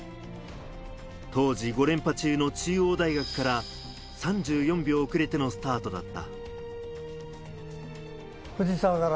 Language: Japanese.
当時、５連覇中の中央大学から３４秒遅れてのスタートだった。